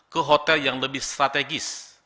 ke hotel yang lebih strategis